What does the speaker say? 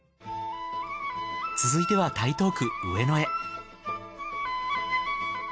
続いては台東区上野へ。